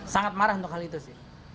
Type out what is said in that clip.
sangat marah untuk hal itu sih